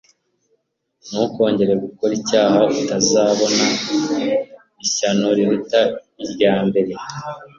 ntukongere gukora icyaha utazabona ishyano riruta irya mbere".